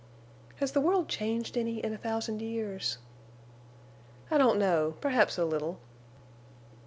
"Has the world changed any in a thousand years?" "I don't know—perhaps a little."